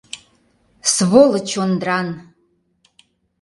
Сволочь Ондран!..